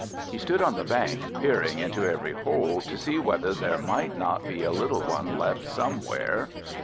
He stood on the bank, peering into every hole, to see whether there might not be a little one left somewhere.